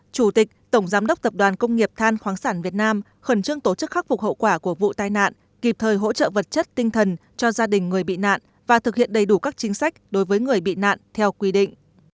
chủ tịch tổng giám đốc tập đoàn công nghiệp than khoáng sản việt nam khẩn trương tổ chức khắc phục hậu quả của vụ tai nạn kịp thời hỗ trợ vật chất tinh thần cho gia đình người bị nạn và thực hiện đầy đủ các chính sách đối với người bị nạn theo quy định